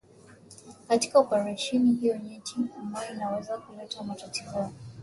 katika oparesheni hiyo nyeti ambayo inaweza kuleta matatizo mengi majeraha zaidi na maumivu Mchakato